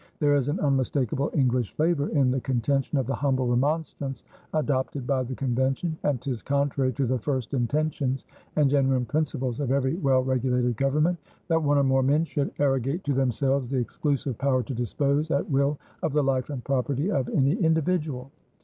There is an unmistakable English flavor in the contention of The Humble Remonstrance adopted by the Convention, that "'tis contrary to the first intentions and genuine principles of every well regulated government, that one or more men should arrogate to themselves the exclusive power to dispose, at will, of the life and property of any individual."